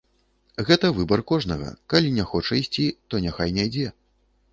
Гэта выбар кожнага, калі не хоча ісці, то няхай не ідзе.